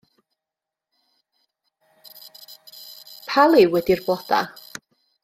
Pa liw ydi'r bloda'?